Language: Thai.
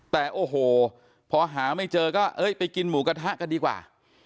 แต่โอ้โหพอหาไม่เจอก็เอ้ยไปกินหมูกระทะกันดีกว่า